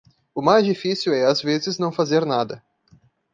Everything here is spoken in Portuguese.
O mais difícil é, às vezes, não fazer nada.